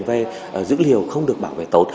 về dữ liệu không được bảo vệ tốt